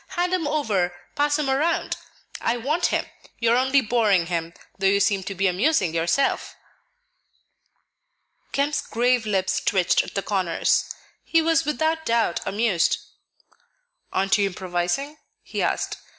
Hand him over; pass him around. I want him; you are only boring him, though you seem to be amusing yourself." Kemp's grave lips twitched at the corners; he was without doubt amused. "Aren't you improvising?" he asked.